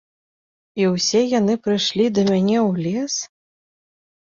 І ўсе яны прыйшлі да мяне ў лес?